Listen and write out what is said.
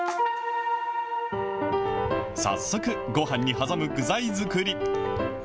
早速、ごはんに挟む具材作り。